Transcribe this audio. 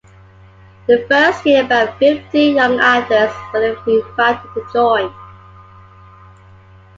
The first year, about fifty young actors were invited to join.